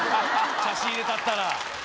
差し入れたったら。